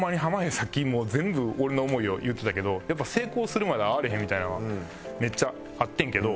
さっきもう全部俺の思いを言ってたけどやっぱ成功するまで会われへんみたいなんはめっちゃあってんけどあったし